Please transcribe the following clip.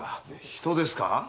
人ですか？